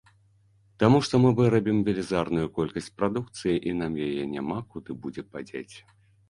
Таму што мы вырабім велізарную колькасць прадукцыі і нам яе няма куды будзе падзець.